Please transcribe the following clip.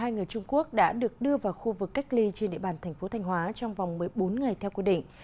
một mươi người trung quốc đã được đưa vào khu vực cách ly trên địa bàn thành phố thanh hóa trong vòng một mươi bốn ngày theo quy định